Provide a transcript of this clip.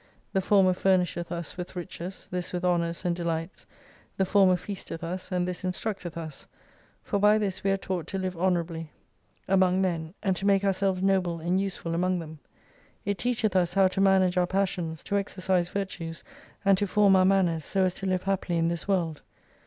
The former furnisheth us with riches, this with honours and delights, the former feasteth us, and this instructeth us. For by this we are taught to live honourably N 193 among men, and to make ourselves noble and useful among them. It teacheth us how to manage our pas sions, to exercise virtues, and to form our manners, so as to live happily in this world.